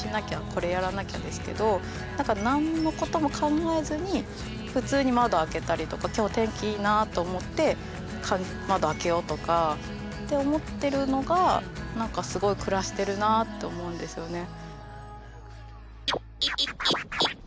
「これやらなきゃ」ですけど何か何のことも考えずに普通に窓開けたりとか「今日天気いいな」と思って「窓開けよう」とかって思ってるのが何かすごい暮らしてるなあって思うんですよね。